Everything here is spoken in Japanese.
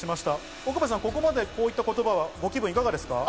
岡部さん、ここまでこういった言葉はご気分いかがですか？